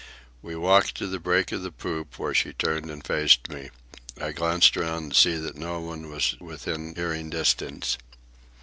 We walked to the break of the poop, where she turned and faced me. I glanced around to see that no one was within hearing distance.